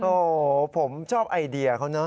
โอ้โหผมชอบไอเดียเขาเนอ